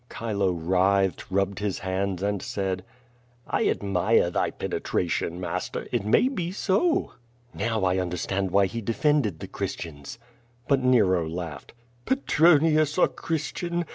Chilo writhed, rubbed his hands and said: QVO VADIS. 365 "I admire thy penetration Master. It may be so." "Now I understand why he defended the Christians!" But Nero laughed. "Petronius a Christian?